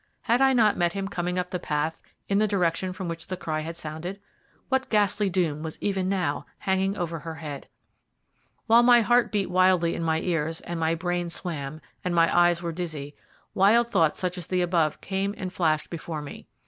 Had I not met him coming up the path in the direction from which the cry had sounded? What ghastly doom was even now hanging over her head? While my heart beat wildly in my ears, and my brain swam, and my eyes were dizzy, wild thoughts such as the above came and flashed before me.